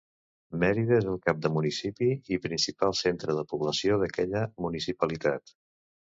Mérida és el cap de municipi i principal centre de població d'aquella municipalitat.